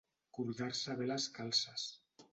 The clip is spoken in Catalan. Cordar-se bé les calces.